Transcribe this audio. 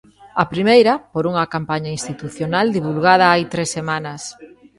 A primeira, por unha campaña institucional divulgada hai tres semanas.